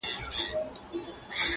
د عقل سوداګرو پکښي هر څه دي بایللي.!